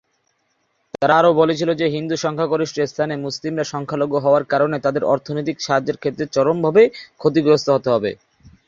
তারা আরও বলেছিল যে হিন্দু সংখ্যাগরিষ্ঠ স্থানে মুসলিমরা সংখ্যালঘু হওয়ার কারণে তাদের অর্থনৈতিক সাহায্যের ক্ষেত্রে চরমভাবে ক্ষতিগ্রস্ত হতে হবে।